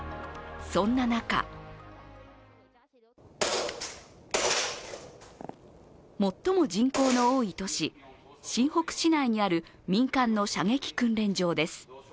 そんな中最も人口の多い都市、新北市内にある民間の射撃訓練場です。